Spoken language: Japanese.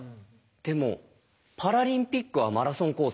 でもパラリンピックはマラソンコース